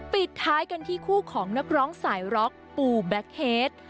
ปิดท้ายกันที่คู่ของนักร้องสายร็อกปูแบ็คเฮด